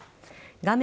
画面